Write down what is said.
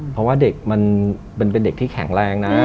เพราะว่าเด็กมันเป็นเด็กที่แข็งแรงนะ